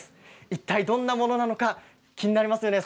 いったいどんなものなのか気になりますよね。